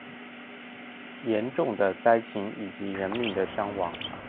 嚴重的災情以及人命的傷亡